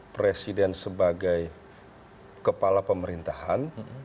presiden sebagai kepala pemerintahan